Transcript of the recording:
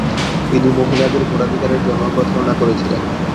তিনি মহিলাদের ভোটাধিকারের জন্যও প্রচারণা করেছিলেন।